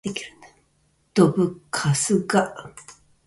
どぶカスが